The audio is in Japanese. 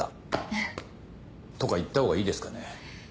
フッ。とか言ったほうがいいですかね？